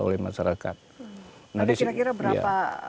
ada kira kira berapa